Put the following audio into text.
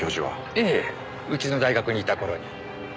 ええうちの大学にいた頃に。